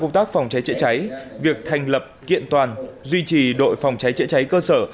công tác phòng cháy chữa cháy việc thành lập kiện toàn duy trì đội phòng cháy chữa cháy cơ sở